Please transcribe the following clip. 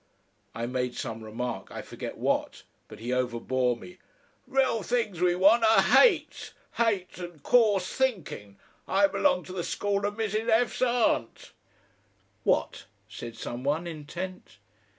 I made some remark, I forget what, but he overbore me. Real things we want are Hate Hate and COARSE think'n. I b'long to the school of Mrs. F's Aunt " "What?" said some one, intent.